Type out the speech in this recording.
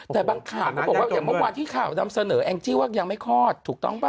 แต่บางข่าวก็บอกว่าอย่างเมื่อวานที่ข่าวนำเสนอแองจี้ว่ายังไม่คลอดถูกต้องป่ะ